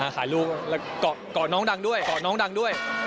อ่าขายลูกแล้วก็ก่อนน้องดังด้วย